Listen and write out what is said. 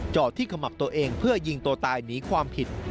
จอดที่ขมับตัวเองเพื่อยิงตัวตายหนีความผิด